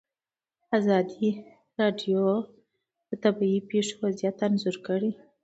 ازادي راډیو د طبیعي پېښې وضعیت انځور کړی.